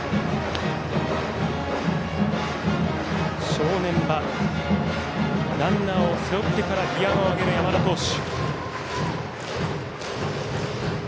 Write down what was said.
正念場、ランナーを背負ってからギヤを上げる山田投手。